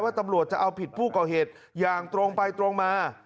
ตำรวจจะเอาผิดผู้ก่อเหตุอย่างตรงไปตรงมา